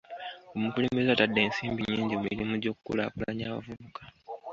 Omukulembeze atadde ensimbi nnyingi mu mirimu gy'okukulaakulanya abavubuka.